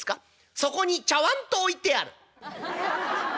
「そこにちゃわんと置いてある」。